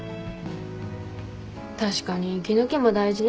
確かに息抜きも大事だよね。